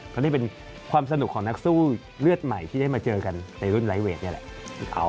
ก็นี่เป็นความสนุกของนักสู้เลือดใหม่ที่ได้มาเจอกันในรุ่นไลทเวทนี่แหละ